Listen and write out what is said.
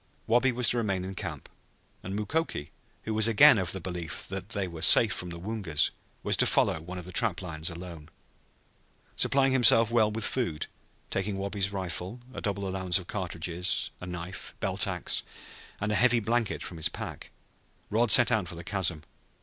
Wabi was to remain in camp, and Mukoki, who was again of the belief that they were safe from the Woongas, was to follow one of the trap lines alone. Supplying himself well with food, taking Wabi's rifle, a double allowance of cartridges, a knife, belt ax, and a heavy blanket in his pack, Rod set out for the chasm.